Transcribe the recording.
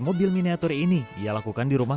mobil miniatur ini ia lakukan di rumah